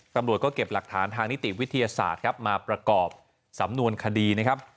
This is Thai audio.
ตำรวจก็เก็บหลักฐานทางนิติวิทยาศาสตร์ครับมาประกอบสำนวนคดีนะครับ